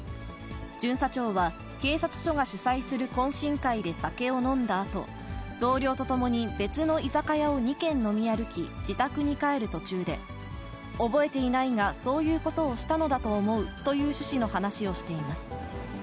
巡査長は、警察署が主催する懇親会で酒を飲んだあと、同僚と共に別の居酒屋を２軒飲み歩き、自宅に帰る途中で、覚えていないが、そういうことをしたのだと思うという趣旨の話をしています。